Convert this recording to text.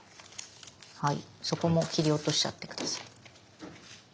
そこも切り落としちゃって下さい。